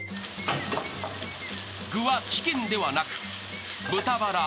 ［具はチキンではなく豚バラ。